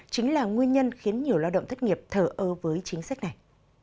chính là nguyên nhân khiến nhiều lao động thất nghiệp thở ơ với chính sách này